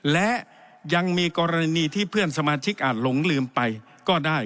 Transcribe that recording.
และยังมีกรณีที่เพื่อนสมาชิกอาจหลงลืมไปก็ได้